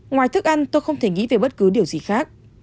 ngoài thức ăn tôi không thể nghĩ về bất cứ điều gì khác